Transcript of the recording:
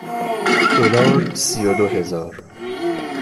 دلار سی و دو هزار